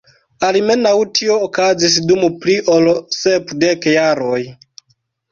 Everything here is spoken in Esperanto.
Almenaŭ tio okazis dum pli ol sep dek jaroj.